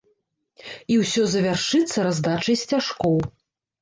І ўсё завершыцца раздачай сцяжкоў.